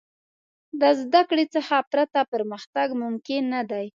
د زدهکړې څخه پرته، پرمختګ ممکن نه دی.